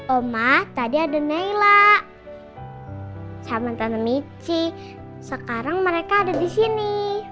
oma tadi ada naila sama tante mici sekarang mereka ada di sini